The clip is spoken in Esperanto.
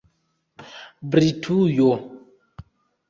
britujo